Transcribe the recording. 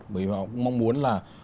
mình mong muốn là